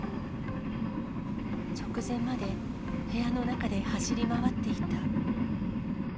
直前まで部屋の中で走り回っていた。